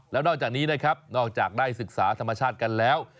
แล้วนอกจากนี้นะครับนอกจากได้ศึกษาธรรมชาติกันแล้ว